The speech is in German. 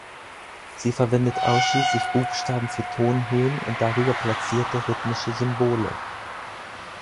Sie verwendet ausschließlich Buchstaben für Tonhöhen und darüber platzierte rhythmische Symbole.